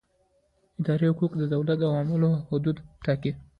اداري حقوق د دولت د عمل حدود ټاکي.